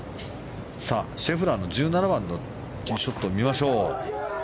さあ、シェフラーの１７番のティーショットを見ましょう。